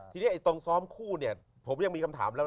ทีนี้ไอ้ตรงซ้อมคู่เนี่ยผมยังมีคำถามแล้ว